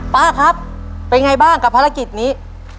ป้าครับเป็นไงบ้างกับภารกิจนี้